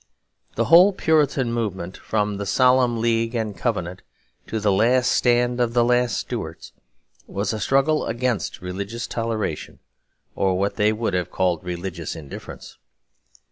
The whole Puritan movement, from the Solemn League and Covenant to the last stand of the last Stuarts, was a struggle against religious toleration, or what they would have called religious indifference.